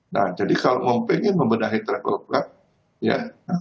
nah jadi kalo pengen membenahi travel club ya